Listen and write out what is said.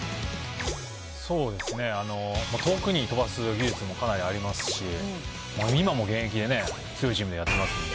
そうですね、遠くに飛ばす技術もかなりありますし、今も現役でね、強いチームでやってますんで。